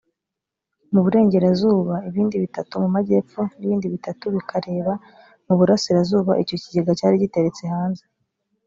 mu burengerazuba ibindi bitatu mu majyepfo n ibindi bitatu bikareba mu burasirazuba icyo kigega cyari giteretse hanze